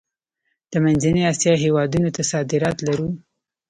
د منځنۍ اسیا هیوادونو ته صادرات لرو؟